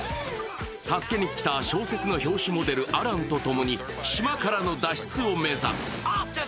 助けに来た小説の表紙モデル、アランとともに島からの脱出を目指す。